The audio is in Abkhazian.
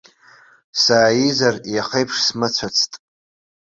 Сааизар иаха еиԥш смыцәацт.